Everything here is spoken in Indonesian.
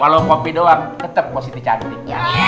walau kopi doang tetep buat siti cantik